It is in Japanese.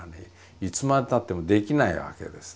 いつまでたってもできないわけですね。